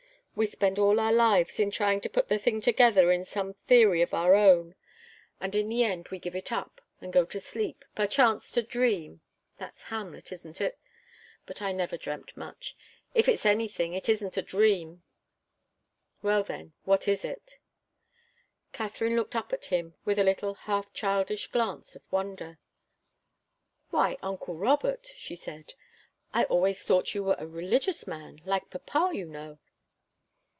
We spend all our lives in trying to put the thing together on some theory of our own, and in the end we give it up, and go to sleep 'perchance to dream' that's Hamlet, isn't it? But I never dreamt much. If it's anything, it isn't a dream. Well, then, what is it?" Katharine looked up at him with a little, half childish glance of wonder. "Why, uncle Robert," she said, "I always thought you were a religious man like papa, you know."